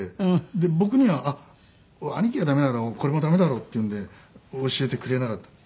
で僕には兄貴が駄目ならこれも駄目だろっていうんで教えてくれなかった。